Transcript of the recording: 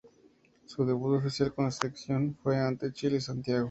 Su debut oficial con la selección fue ante Chile en Santiago.